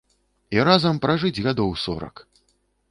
І разам пражыць гадоў сорак!